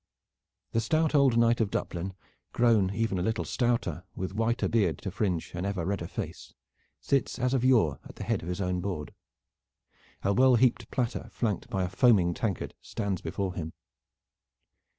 The stout old knight of Duplin, grown even a little stouter, with whiter beard to fringe an ever redder face, sits as of yore at the head of his own board. A well heaped platter flanked by a foaming tankard stands before him.